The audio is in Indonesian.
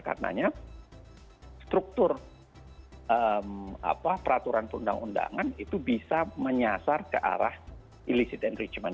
karena struktur peraturan perundang undangan itu bisa menyasar ke arah illicit enrichment